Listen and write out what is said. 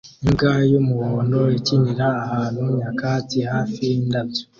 Imbwa y'umuhondo ikinira ahantu nyakatsi hafi yindabyo